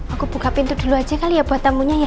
aku buka pintu dulu aja kali ya buat tamunya ya